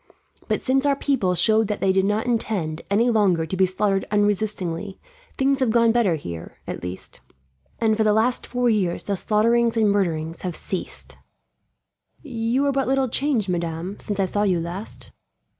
But since our people showed that they did not intend, any longer, to be slaughtered unresistingly, things have gone better here, at least; and for the last four years the slaughterings and murders have ceased. "You are but little changed, madame, since I saw you last."